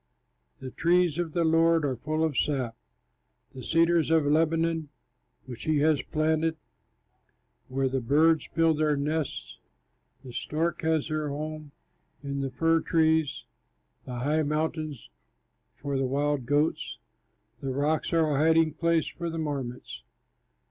The trees of the Lord are full of sap, The cedars of Lebanon, which he has planted, Where the birds build their nests; The stork has her home in the fir trees. The high mountains are for the wild goats, The rocks are a hiding place for the marmots.